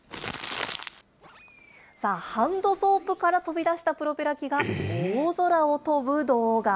さあ、ハンドソープから飛び出したプロペラ機が大空を飛ぶ動画。